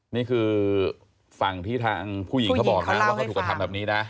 นี่คือฝั่งที่ทางผู้หญิงเขาบอกนะว่าเขาถูกกระทำแบบนี้นะ